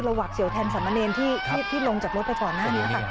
รัวหวัดเหวย์แทนสำมะเนนที่ลงจากรถไปบ่อนั่น